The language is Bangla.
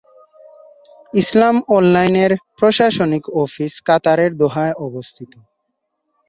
ইসলাম অনলাইন এর প্রশাসনিক অফিস কাতারের দোহায় অবস্থিত।